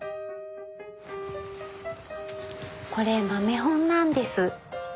これ豆本なんです。